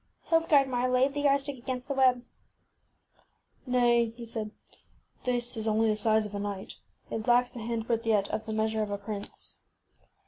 ŌĆÖ Hildgardmar laid the yardstick against the web. ŌĆśNay, ŌĆÖ he said. ŌĆśThis is only the size of a knight. It lacks a handbreadth yet of the measure of a prince.